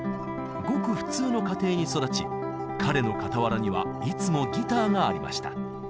ごく普通の家庭に育ち彼の傍らにはいつもギターがありました。